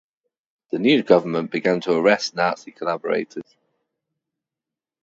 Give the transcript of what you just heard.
The new government began to arrest Nazi collaborators.